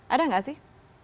ada gak sih